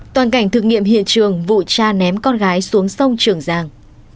toàn cảnh thực nghiệm hiện trường vụ cha ném con gái xuống sông trường giang